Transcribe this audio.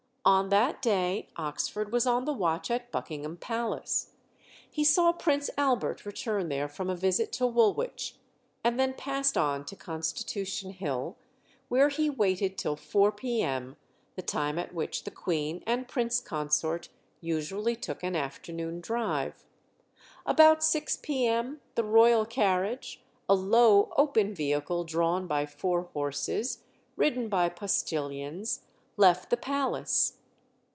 On that day Oxford was on the watch at Buckingham Palace. He saw Prince Albert return there from a visit to Woolwich, and then passed on to Constitution Hill, where he waited till four p.m., the time at which the Queen and Prince Consort usually took an afternoon drive. About six p.m. the royal carriage, a low open vehicle drawn by four horses, ridden by postilions, left the palace.